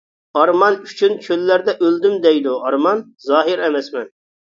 ئارمان ئۈچۈن چۆللەردە ئۆلدۈم، دەيدۇ ئارمان: «زاھىر ئەمەسمەن» .